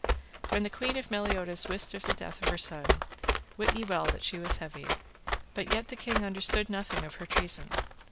When the queen of Meliodas wist of the death of her son, wit ye well that she was heavy. But yet the king understood nothing of her treason.